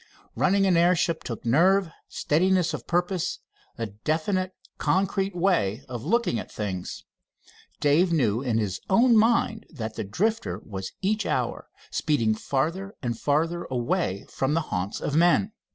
Running an airship took nerve, steadiness of purpose, a definite, concrete way of looking at things. Dave knew in his own mind that the Drifter was each hour speeding farther and farther away from the haunts of men.